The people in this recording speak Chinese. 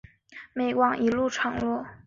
美网一路闯进第四轮才败给小威廉丝。